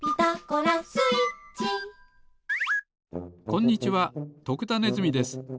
こんにちは徳田ネズミです。